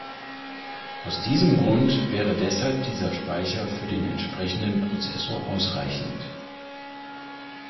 Aus diesem Grund wäre deshalb dieser Speicher für den entsprechenden Prozessor ausreichend.